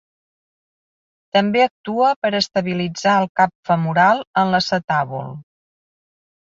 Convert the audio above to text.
També actua per estabilitzar el cap femoral en l'acetàbul.